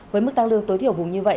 với mức tăng lương tối thiểu vùng như vậy